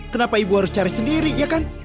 kenapa ibu harus cari sendiri ya kan